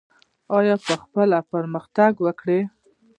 او په خپله پرمختګ وکړه.